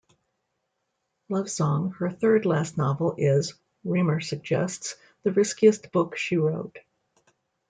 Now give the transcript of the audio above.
"Lovesong", her third last novel, is, Riemer suggests, "the riskiest book she wrote".